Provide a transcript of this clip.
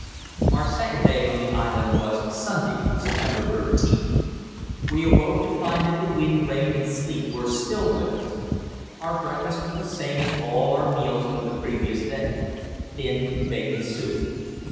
Our second day on the island was Sunday, September 13th. We awoke to find that the wind, rain, and sleet were still with us. Our breakfast was the same as all our meals of the previous day thin bacon soup.